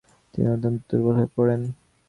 তিনি অত্যন্ত দুর্বল হয়ে পড়েন।